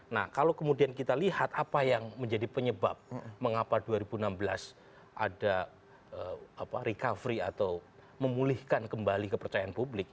nah kalau kemudian kita lihat apa yang menjadi penyebab mengapa dua ribu enam belas ada recovery atau memulihkan kembali kepercayaan publik